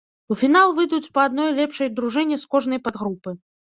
У фінал выйдуць па адной лепшай дружыне з кожнай падгрупы.